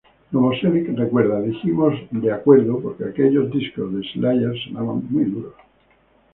Novoselic recuerda: "Dijimos, 'de acuerdo', porque aquellos discos de Slayer sonaban muy duros".